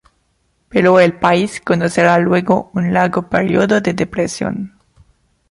Pero el país conocerá luego un largo periodo de depresión.